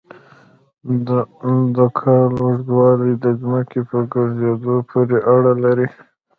د کال اوږدوالی د ځمکې په ګرځېدو پورې اړه لري.